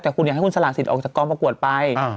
แต่คุณอยากให้คุณสลากสิทธิออกจากกองประกวดไป